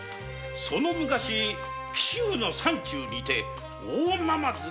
その昔紀州の山中にて大なまずが。